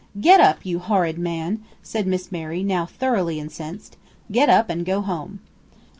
"Get up, you horrid man!" said Miss Mary, now thoroughly incensed; "get up, and go home."